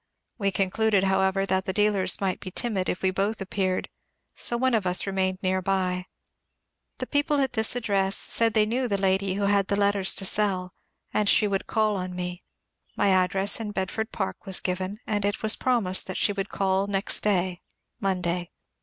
We concluded, however, that the dealers might be timid if we both appeared, so one of us remained near by. The people at this address said they knew the CARLYLE EMERSON LETTERS 409 ^* lady " who had the letters to sell, and she would call on me. My address in Bedford Park was given, and it was promised that she woald call next day (Monday).